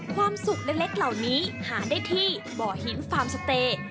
ความสุขเล็กเหล่านี้หาได้ที่บ่อหินฟาร์มสเตย์